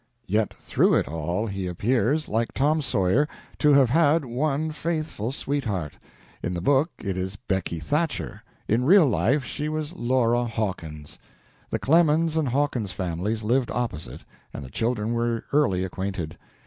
Yet through it all he appears, like Tom Sawyer, to have had one faithful sweetheart. In the book it is Becky Thatcher in real life she was Laura Hawkins. The Clemens and Hawkins families lived opposite, and the children were early acquainted.